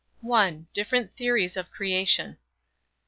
DIFFERENT THEORIES OF CREATION.